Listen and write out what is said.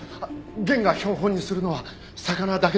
源が標本にするのは魚だけです。